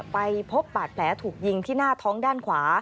ไปพบบาดแผลถูกยิงที่หน้าท้องด้านขวา